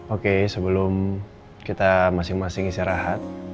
oke sebelum kita masing masing istirahat